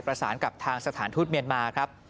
แม่ซื้อกาแฟมาหนึ่งแก้วครับ